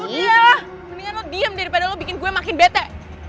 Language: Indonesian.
lu dia mendingan lo diem daripada lo bikin gue makin bete